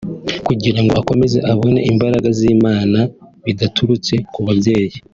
kugira ngo akomeze abone imbaraga z'Imana bidaturutse ku babyeyi